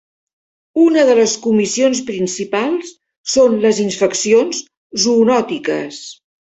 Una de les comissions principals són les infeccions zoonòtiques.